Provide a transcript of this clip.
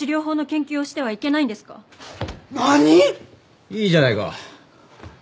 いいじゃないか。